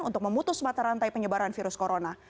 untuk memutus mata rantai penyebaran virus corona